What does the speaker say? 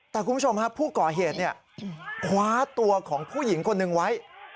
แต่คุณผู้ก่อเหตุคว้าตัวของผู้หญิงคนนึงไว้